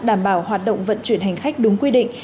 đảm bảo hoạt động vận chuyển hành khách đúng quy định